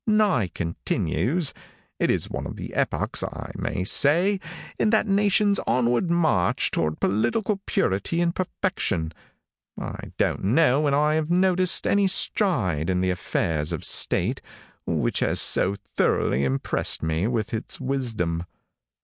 Nye continues: 'It is one of the epochs, I may say, in the nation's onward march toward political purity and perfection. I don't know when I have noticed any stride in the affairs of state which has so thoroughly impressed me with its wisdom.'